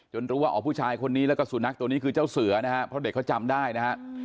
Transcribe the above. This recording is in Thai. รู้ว่าอ๋อผู้ชายคนนี้แล้วก็สุนัขตัวนี้คือเจ้าเสือนะฮะเพราะเด็กเขาจำได้นะฮะ